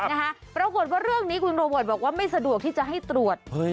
ปรากฏว่าเรื่องนี้คุณโรเบิร์ตบอกว่าไม่สะดวกที่จะให้ตรวจเฮ้ย